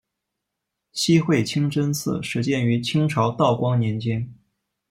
西会清真寺始建于清朝道光年间。